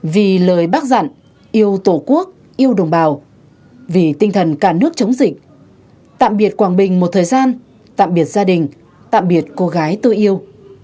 vì lời bác dặn yêu tổ quốc yêu đồng bào vì tinh thần cả nước chống dịch tạm biệt quảng bình một thời gian tạm biệt gia đình tạm biệt cô gái tôi yêu